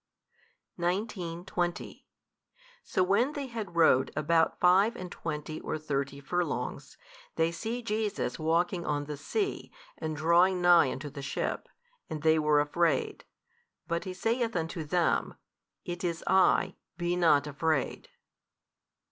19, 20 So when they had rowed about five and twenty or thirty furlongs, they see Jesus walking on the sea and drawing nigh unto the ship; and they were afraid. But He saith unto them, It is I, be not afraid.